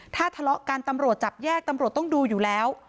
ถ้าทะเลาะกันตำรวจจับแยกตำรวจต้องดูอยู่แล้ว